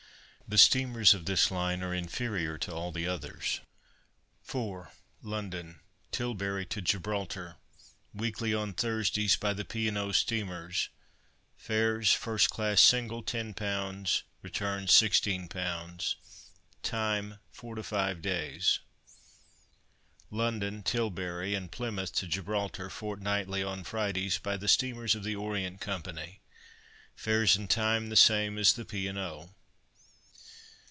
The steamers of this line are inferior to all the others. 4. London (Tilbury) to Gibraltar, weekly, on Thursdays, by the "P. & O." steamers. Fares, first class single, £10, return, £16. Time, 4 to 5 days. 5. London (Tilbury) and Plymouth to Gibraltar, fortnightly, on Fridays, by the steamers of the "Orient Co." Fares and time the same as the "P. & O."